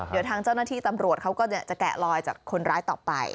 เดี๋ยวทางเจ้าหน้าที่ตำรวจเขาก็จะแกะลอยจากคนร้ายต่อไป